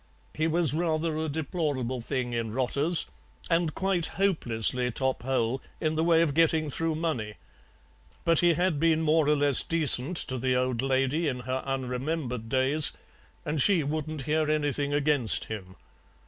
He was rather a deplorable thing in rotters, and quite hopelessly top hole in the way of getting through money, but he had been more or less decent to the old lady in her unremembered days, and she wouldn't hear anything against him.